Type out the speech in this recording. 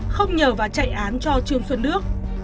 không nhờ và chạy án cho trương xuân đức